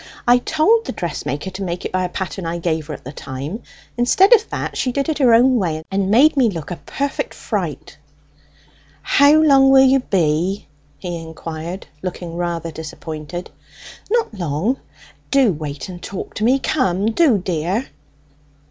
I told the dressmaker to make it by a pattern I gave her at the time; instead of that, she did it her own way, and made me look a perfect fright." "How long will you be?" he inquired, looking rather disappointed. "Not long. Do wait and talk to me; come, do, dear."